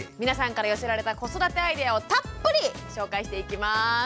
皆さんから寄せられた子育てアイデアをたっぷり紹介していきます。